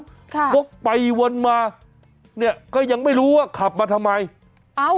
ค่ะวกไปวนมาเนี้ยก็ยังไม่รู้ว่าขับมาทำไมเอ้า